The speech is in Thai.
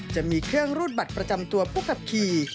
จะมีเครื่องรูดบัตรประจำตัวผู้ขับขี่